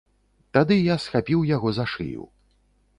Тады я схапіў яго за шыю.